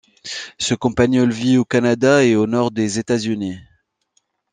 Ce campagnol vit au Canada et au nord des États-Unis.